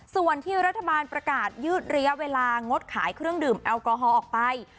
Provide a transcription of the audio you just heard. ส่วนที่รัฐบาลประกาศยืดระยะเวลางดขายเครื่องดื่มแอลกอฮอลออกไป